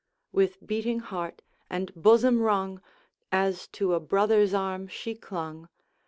With heating heart, and bosom wrung, As to a brother's arm she clung.